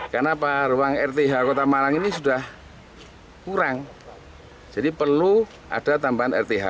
karena ruang rth kota malang ini sudah kurang jadi perlu ada tambahan rth